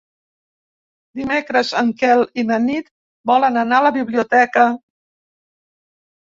Dimecres en Quel i na Nit volen anar a la biblioteca.